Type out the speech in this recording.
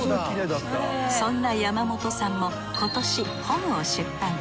そんな山本さんも今年本を出版。